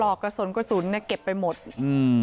อกกระสุนกระสุนเนี้ยเก็บไปหมดอืม